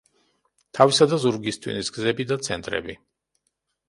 თავისა და ზურგის ტვინის გზები და ცენტრები.